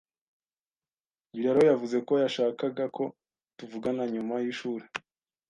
Biraro yavuze ko yashakaga ko tuvugana nyuma y'ishuri.